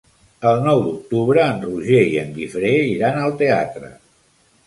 El nou d'octubre en Roger i en Guifré iran al teatre.